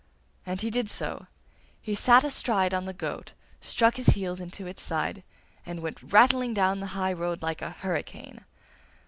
And he did so. He sat astride on the goat, struck his heels into its side, and went rattling down the high road like a hurricane.